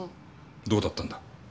どうだったんだ？